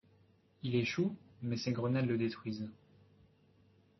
Il échoue mais ses grenades le détruise.